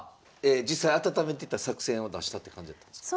実際あたためてた作戦を出したって感じやったんですか？